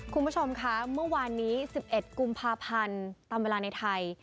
คุณผู้ชมคะเมื่อวานนี้๑๑กุมภาพันธ์ตามเวลาในไทย